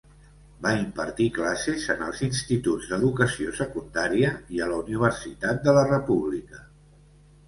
Va impartir classes en els instituts d'educació secundària i a la Universitat de la República.